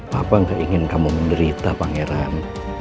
papa gak ingin kamu menderita pangeran